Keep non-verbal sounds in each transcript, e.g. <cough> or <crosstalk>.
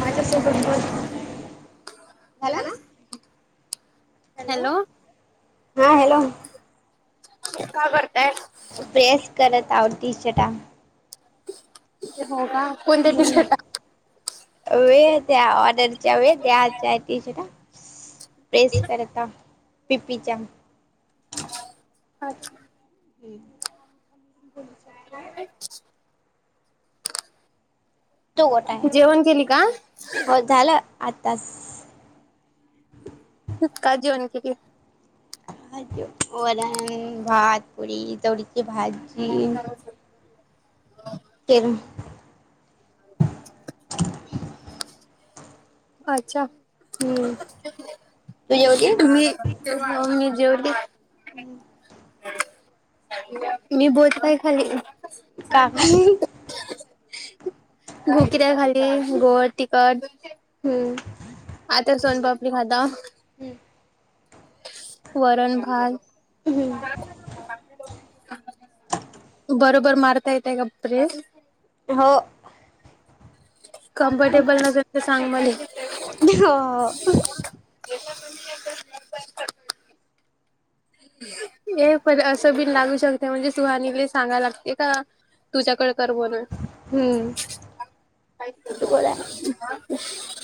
माझ्यासोबत बोल. झाला हॅलो हां हॅलो. काय करताय? प्रेस करत आव टी शर्टला. हो का, कोणत्या टी शर्टला? वेळ त्या ऑर्डरच्या <unintelligible> प्रेस करता पी-पी च्या अच्छा <unintelligible> <unintelligible> तु कुठं हाय जेवण केली का झाल हो झालं आत्ताच काय जेवण केली ऐकीव वरण, भात, पुरी, चवळी <unintelligible> केलो अच्छा हम्म तू जेवली मी हो मी जेवली हम मी बहुत काय खाल्ली का खाल्ली गुघऱ्या खाल्ली गोड-तिखट हम्म आता सोनपापडी खाताव हम्म वरण-भात हम्म बरोबर मारता येतय का प्रेस हो कम्फर्टेबल नसेल तर सांग मले हो-हो <unintelligible> ए पण असं बिन लागू शकते म्हणजे सुहानीले सांगाला लागते का तुझ्या कड करमना हम्म तू कोण आहे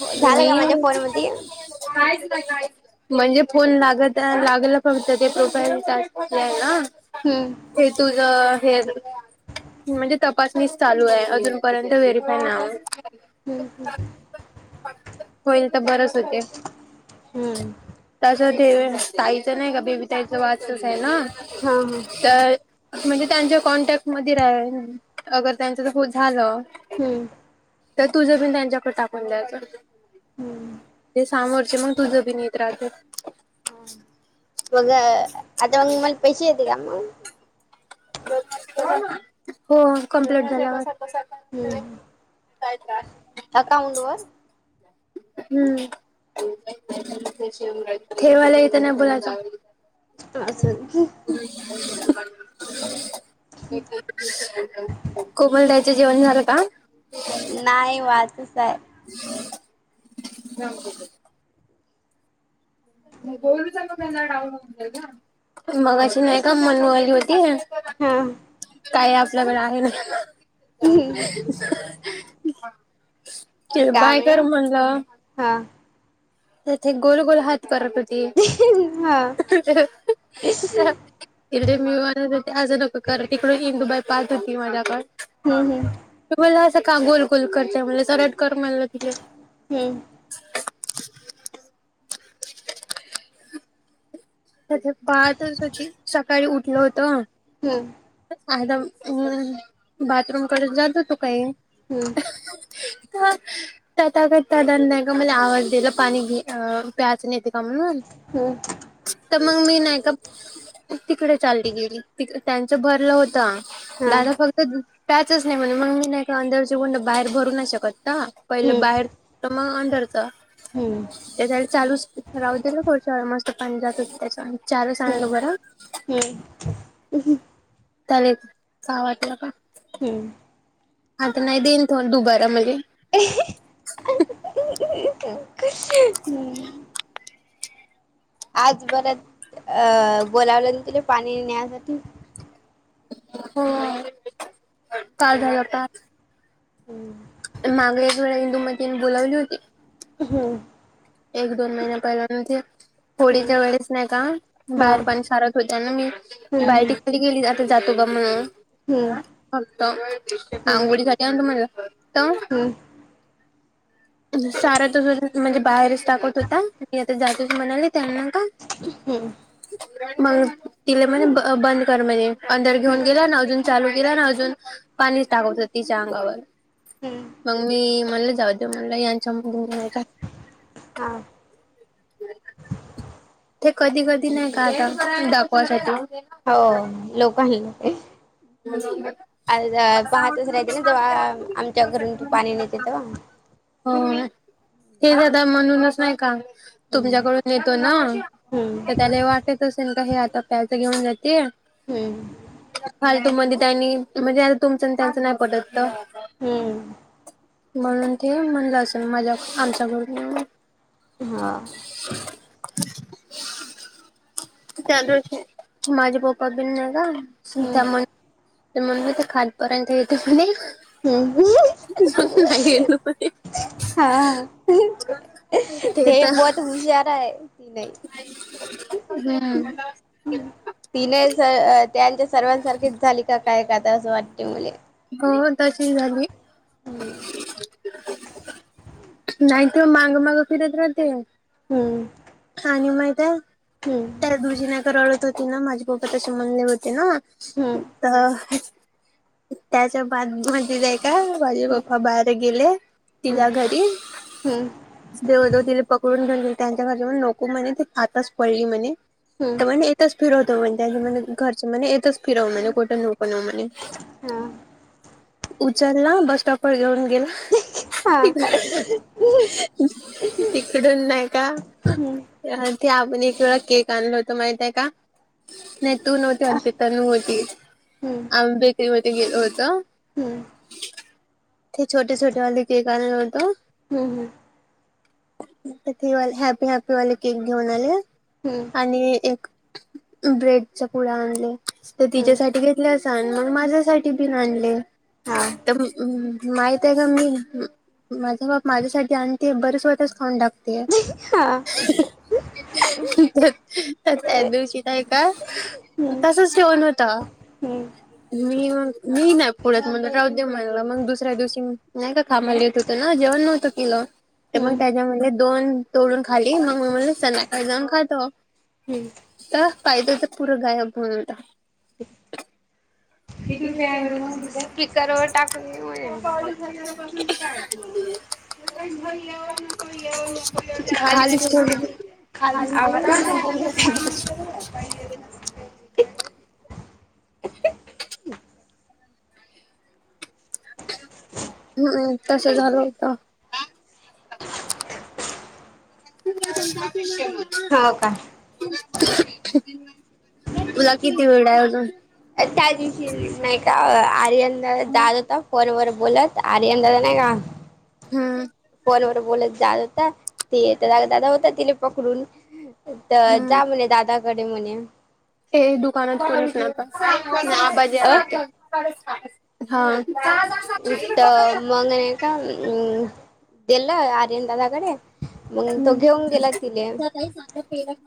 हो झालं का मी माझ्या फोन मध्ये कायच नाही कायच नाही म्हणजे फोन लागत लागला पण ते प्रोफाईल टास्क जे आहे ना हम्म ते तुझं हे म्हणजे तपासणीच चालू आहे अजूनपर्यंत व्हेरीफायला नाव हम-हम होईल तर बरच होते हम्म तसं ते ताईचं नाही का बेबी ताईच वाढदिवस आहे ना हा हा तर म्हणजे त्यांच्या कॉन्टॅक्ट मध्ये रा अगर त्यांच हो झालं हम्म तर तुझं पण त्यांच्याकडे टाकून द्यायचं हम्म ते सामोरचे मग तुझं बी नेत राहते हं मग आता मग मला पैसे येते का मंग हो ना हो कंप्लीट झाला <inaudible> काय त्रास अकाउंटवर हम्म ठेवायला इथं नाही बोलायचं. तर असल. <unintelligible> कोमल ताईच जेवण झालं का? नाही <unintelligible> <unintelligible> मगाशी नाही का मनु आली होती. हा काय आपल्याकडे आहे ना. काम बाय आहे कर म्हणलं. हा. तेथे गोल गोल हात करत होती. हा इकडे मी म्हणत होते असं नको करु तिकडून इंदुबाई द पाहत होती माझ्याकड. हम्म तुमला असं का गोल गोल करताय म्हट्ले सरट कर म्हणलं तिले, हम्म. त्या <unintelligible> होती सकाळी उठलं होतं. हम्म. आध हम्म बाथरूम कडे जात हुतो काही, हम्म. तर <unintelligible> मला आवाज दिला पाणी घ प्याचून येते का म्हणून हम्. तर मग मी नाही का तिकडे चालली गेली त त्यांचं भरलं होत. हा दादा फक्त प्याचच नाही म्हणले मग मी नाही का <unintelligible> बाहेर भरू नाही शकत ना पहिलं हम्म बाहेर तर मग अंधरच, हम्म त्यासाठी चालू ठ रावते ना थोड मस्त पाणी जात होत त्याच्या चारच हंड बरा. हम् <unintelligible> वाटलं का हम्म आता नाहीे देईन <unintelligible> <unintelligible> हम्म आज बरं अ बोलावलं त पाणी नेण्यासाठी हो काल <unintelligible> हम्म माग एक वेळ इंदुमतीन बोलावली होती. हम्म एक दोन महिन्या पहिल्या नव्हत्या हम्म होडीच्या वेळेस नाही का हा बाहेर पण सारत होतना मी हम्म <unintelligible> ती गेली आता जातो ग म्हणून हम्म हम्म फक्त हम्म अंगोळी सा <unintelligible> म्हलं त, हम्म सारा तस म्हणजे बाहेरच टाकत होता मी आता जातोच म्हणाले त्यांना का हम्म मग तिला म्हणे ब बंद कर म्हने अनदर हम्म घेऊन गेल अन् अजून चालू केला ना अजून पाणी टाकवत होत तिच्या अंगावर हम्म मग मी म्हणल जाऊ दे म्हणलं यांच्या <unintelligible> हां. ह <inaudible> ते कधी कधी नाही का आता दाखवायसाठी. हो लोक हल्लं ते. <inaudible> आ पाहतच राहते ना तेव्हा आमच्या घरून तू पाणी नेते तेव्हा. हो हे सदा म्हणूनच नाही का. हम्म तुमच्याकडून येतो ना, हम्म तर त्याला वाटत असेल. हे आता प्यायच घेऊन जाते. <inaudible> नी म्हणजे तुमच त्यांच नाही पटत का? हम्म. म्हणून ते म्हणलं असेल मजाक आमच्या घरी. हा. त्या माझे पप्पा बिन नाही का हम्म त्यामुळे. तर म्हण मा ते खादपर्यंत येते म्हणे. हम् ह. नाही. हा ते तर <unintelligible> हम्म त्यांच्या सर्वांसारखीच झाली का काय का आता असं वाटते मले. हो तशी झाली. हम्. नाही त मांग माग फिरत राते. हम्म. आणि माहीत आहे, त्या हम्म दिवशी नाय का तर रडत होती ना माझे पप्पा तसे म्हणले होते ना. तर त्याच्या बांधुन. <unintelligible> काय नाय माझे हम्म पप्पा बाहेर गेले तिच्या घरी. हम्म जवळजवळ तिले पकडून घे करण का त्यांच्या घर नको म्हणे ते आतच पडली म्हणे. <unintelligible> हम्म च फिरवतो म्हण त्या म्ह घरचं म्हणे येतच फिराव म्हणे हम्म कुठं पणव म्हणे. हा उचलला बस स्टॉपवर घेऊन गेला. किती <unintelligible> तिकडून नाही का. ते आपण एक वेळा केक आणलो होतो माहितय का. तु नव्हती वाटत, तनु होती आम्ही बेकरी मध्ये गेलो होतो. हम्म. ते छोटे, छोटे वाले केक आणलं होतो. हम्म-हम्म. हॅप्पी हॅपी वाले केक घेऊन आले. हो. आणि एक ब्रेडचा पुडा आणला तर तिच्यासाठी. तिला शहाण्णव माझ्यासाठी बि आणले. हा. तर माहित आहे का मी. माझा बाप माझ्यासाठी आणते बरे स्वतःच खाऊन टाकते. <unintelligible> तर त्या दिवशी नाही का तसंच ठेऊन होता. हुं.. मी मग मी नाही पुढ्यात म्हणलं राहुदे म्हणलं, मग दुसऱ्या दिवशी नाही का. कामाला येत होतं ना, जेवण नव्हतं केलं तर मग त्याच्यामधले दोन तोडून खाल्ली, मग मी म्हटलं संध्याकाळी जाऊन खातो. हुं... तर पाहिजे तर पुरं गायब होउन होता. <unintelligible> स्पीकर वर टाकून <unintelligible> <unintelligible> खालीच ठेऊन येते. खाली आवाज खालीच ठेऊन <unintelligible> हं.. तस झालं होतं. <unintelligible> हो का. तुला किती वेळ आहे अजून. त्या दिवशी नाही का, आर्यन दादा जात होता फोनवर बोलत तर आर्यन दादा नाही का, हा.. फोन वर बोलत जात होता, ते हे त दादा होता तिला पकडून. तर हम्म जा म्हणे दादाकडे म्हणे. ते दुकानात कोणच नव्हता, नाय आबा अ जाय होते. <unintelligible> हा इतं तर मग नाही का दिलं आर्यन दादाकडे मग तो हम्म घेऊन गेला तिले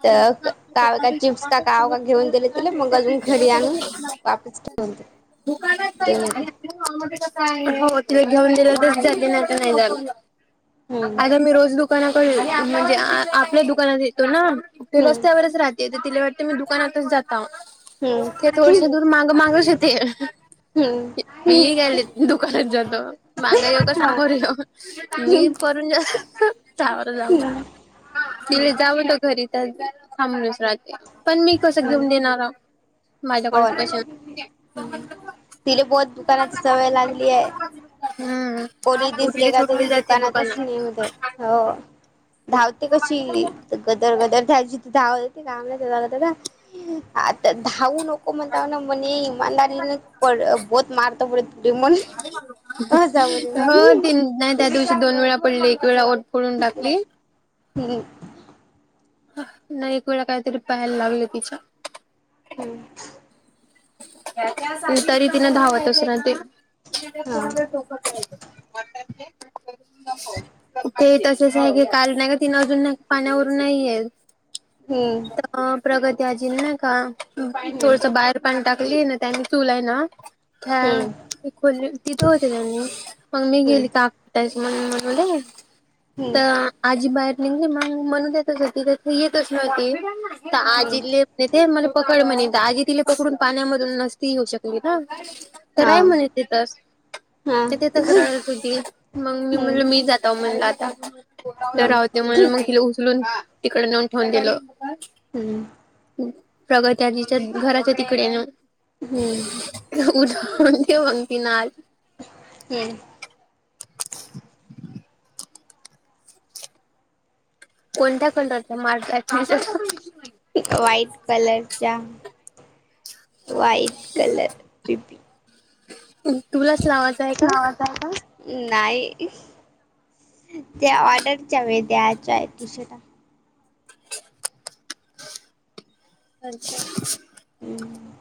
तर काव का, चिप्स का काव का घेऊन दिले. दिले मग अजून घरी आणनू वापस घेवून गेले. दुकानात जाय <unintelligible> हॉल मध्ये बसा ये, हो तिला घेऊन दिलं तरच जाते, नाहीतर नाही जात. हम्म आता मी रोज दुकानाकडे येते म्हणजे आपल्या दुकानात येतो ना, ते हम्म रस्त्यावरच राहते ते तर तिला वाटतं मी दुकानातच जातावा. ते हम्म थोडसे दूर माग माग होती. हम्म मी गेले दुकानात जातो, मागा येऊ का हा सामोर येऊ. मी परून ज का बरं जाऊ तिथं जाऊ तर घरी तर थांबूनच राहाते, पण मी कसं घेऊन देणार. हो, माझ्याकडेच ना. पैसे तिले बहोत दुकानाची सवय लागली आहे. हम्म कोणी दिसले उठली का सुटली तिथे जाते दुकानातच दुकानात. ने म्हणते. हो, धावते कशी गदर गदर धायची ती धाव- ते काय म्हणतात <unintelligible> दादा आता धावू नको. म्हणताव ना मणे ईमानदारी प बोहत मारतो पडे त म- हो तीन नाही त्या दिवशी दोन वेळा पडली, एक वेळा ओठ फोडून टाकली. हूं... नाही एक वेळा काहीतरी पायाला लागले तिच्या. हुं... तरी तिनं धावतच राहते. <unintelligible> हा ते तसंच आहे की काल नाही का, तिन अजून नाही का पाण्यावरून नाही येत. हम्म, तर प्रगती अजी ना का हम्म थोडस बाहे ''--'' पाणी टाकली ना चूल आहे ना, हम्म हम्म हया खली तिथे होते त्यांनी मग मी गेली का. स मबर मध्ये तर <inaudible> आजी बाहेर निघली मग म्हणून देतच होती त्याथ येतच नव्हती तर हम्म आजीले. नाही ते मला पकड म्हणे दाजी तिले पकडून पाण्यामधून नसती येऊ शकली ना. तर हा राय म्हणे तीथच हा तर तीथच रडत होती मग मी हम्म म्हण मी जाते. तवा म्हणलं आता इथं हम्म राहदे म्हणून मग तिला उचलून. तिकड नेवुन ठेवून दिलं. हम्म, प्रगती आजीच्या घराच्या तिकडे नेऊन. हम्म, उद म्हणते <inaudible> बणती ना आज. हम्म, चर <inaudible> कोणत्या कोणत होत मार <inaudible> व्हाईट कलर च्या व्हाईट कलर, अ ह, नवाद वेलकम. नाही ते ऑर्डरच्या मिळते आजचा आहे तो शिरा. अच्छा! हम्म,